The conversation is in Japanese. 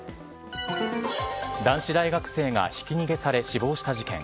男子大学生がひき逃げされ死亡した事件。